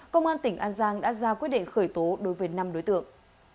công an tỉnh an giang đã ra quyết định khởi tố đối với năm đối tượng